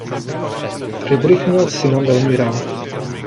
Fridrich měl syna velmi rád.